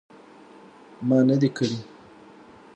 ما نه دي کړي